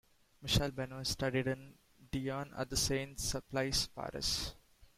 Michel Benoist studied in Dijon and at Saint Sulpice, Paris.